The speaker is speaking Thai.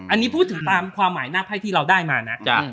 อันนี้พูดถึงตามความหมายหน้าไพ่ที่เราได้มานะ